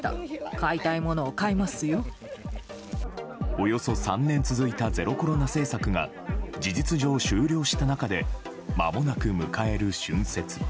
およそ３年続いたゼロコロナ政策が事実上終了した中でまもなく迎える春節。